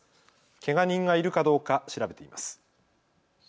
けが人がいるかどうか調べています。